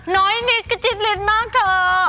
น้อยนิดกะจิดเลน่มากเถอะ